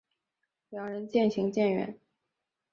两人渐行渐远